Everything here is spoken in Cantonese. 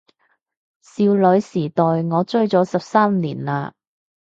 少女時代我追咗十三年喇